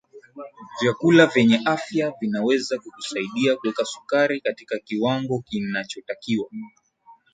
vyakula vyenye afya vinaweza kukusaidia kuweka sukari katika kiwango kinachotakiwa